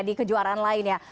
di kejuaraan lainnya